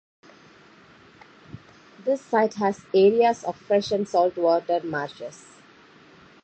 This site has areas of fresh and salt water marshes.